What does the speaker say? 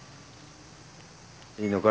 いいのか？